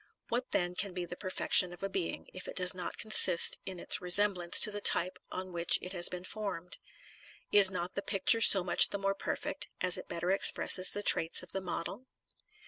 What then can be the perfec tion of a being, if it does not consist in its resemblance to the type on which it has been formed? Is not the picture so much the more perfect, as it better expresses the traits of the model